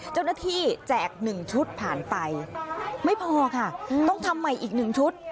เจ้าหน้าที่แจกหนึ่งชุดผ่านไปไม่พอค่ะต้องทำใหม่อีกหนึ่งชุด